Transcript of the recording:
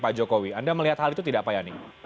anda melihat hal itu tidak pak yani